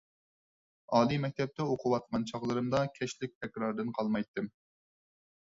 ئالىي مەكتەپتە ئوقۇۋاتقان چاغلىرىمدا، كەچلىك تەكراردىن قالمايتتىم.